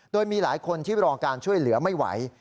โดยมีหลายคนที่รอการช่วยเหลือไม่ไหว